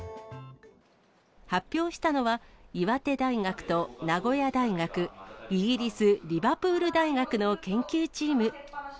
発表したのは、岩手大学と名古屋大学、イギリス・リバプール大学の研究チーム。